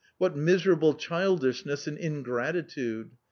What miserable childishness and ingratitude